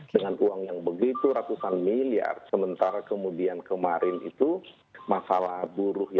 dengan uang yang begitu ratusan miliar sementara kemudian kemarin itu masalah buruhnya